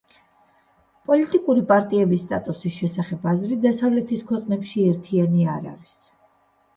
პოლიტიკური პარტიების სტატუსის შესახებ აზრი დასავლეთის ქვეყნებში ერთიანი არ არის.